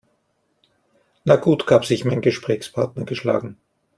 Na gut, gab sich mein Gesprächspartner geschlagen.